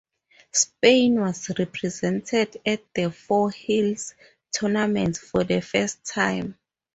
Spain was represented at the Four Hills Tournament for the first time.